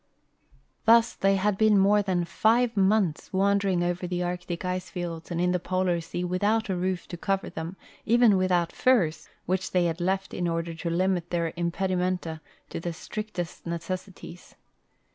Thus they had been more than five months wandering over the Arctic ice fields and in the Polar sea without a roof to cover them, even without furs, which they had left in order to limit their impedi menta to the strictest necessities.